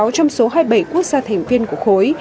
hai mươi sáu trong số hai mươi bảy quốc gia thành viên của khối